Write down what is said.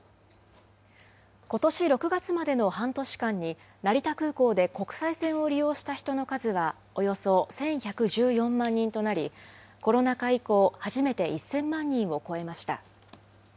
ことし６月までの半年間に、成田空港で国際線を利用した人の数はおよそ１１１４万人となり、コロナ禍以降、初めて１０００万人を超えました。